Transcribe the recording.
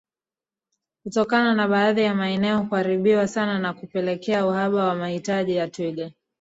Kutokana na baadhi ya maeneo kuharibiwa sana na kupelekea uhaba wa mahitaji ya twiga